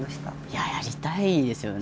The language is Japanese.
いややりたいですよね。